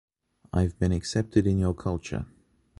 I’ve been accepted in your culture.